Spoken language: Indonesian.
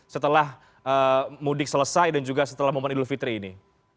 setelah mudik selesai dan juga setelah momen idul fitri ini